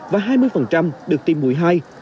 và hai mươi được tiêm mũi hai